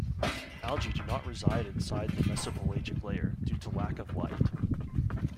Algae do not reside inside the mesopelagic layer, due to lack of light.